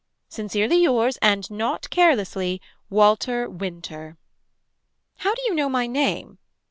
Sincerely yours and not carelessly. Walter Winter. How do you know my name.